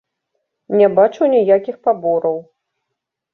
Не бачу ніякіх пабораў.